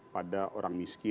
pada orang miskin